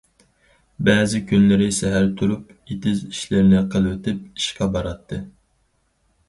بەزى كۈنلىرى سەھەر تۇرۇپ، ئېتىز ئىشلىرىنى قىلىۋېتىپ، ئىشقا باراتتى.